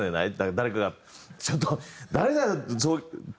誰かが「ちょっと！」。